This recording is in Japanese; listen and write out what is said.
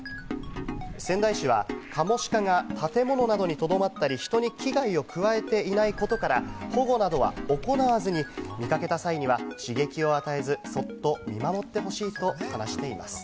仙台市はカモシカが建物などにとどまったり、人に危害を加えていないことから保護などは行わずに見掛けた際には刺激を与えず、そっと見守ってほしいと話しています。